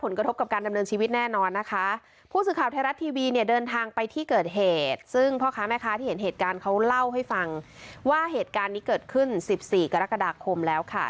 เล่าให้ฟังว่าเหตุการณ์นี้เกิดขึ้น๑๔กรกฎาคมแล้วค่ะ